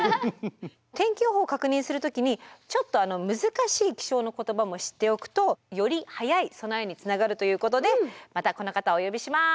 天気予報を確認する時にちょっと難しい気象の言葉も知っておくとより早い備えにつながるということでまたこの方をお呼びします。